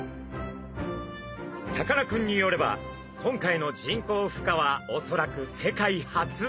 さかなクンによれば今回の人工ふ化はおそらく世界初。